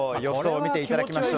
見ていただきましょう。